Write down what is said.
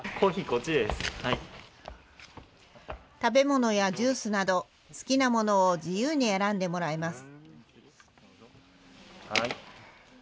食べ物やジュースなど、好きなものを自由に選んでもらいます。